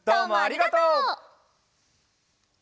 どうもありがとう！